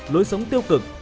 lối sống tiêu cực